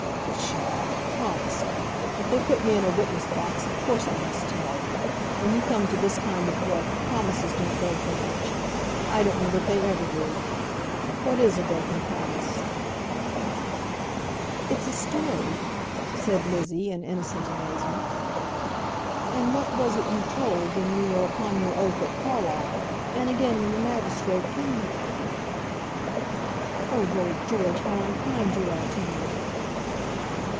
"Psha; promised! If they put me in a witness box of course I must tell. When you come to this kind of work, promises don't go for much. I don't know that they ever do. What is a broken promise?" "It's a story," said Lizzie, in innocent amazement. "And what was it you told when you were upon your oath at Carlisle; and again when the magistrate came here?" "Oh, Lord George; how unkind you are to me!"